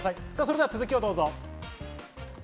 では続きをどうぞ。